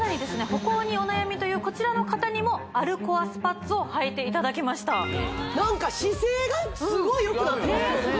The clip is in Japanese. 歩行にお悩みというこちらの方にも歩コアスパッツをはいていただきましたなんか姿勢がすごいよくなってますよね